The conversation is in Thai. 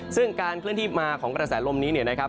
ซึ่งการเคลื่อนที่มาของกระแสลมนี้เนี่ยนะครับ